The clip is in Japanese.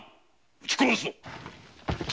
撃ち殺すぞ！